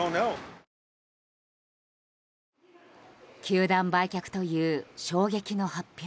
球団売却という衝撃の発表。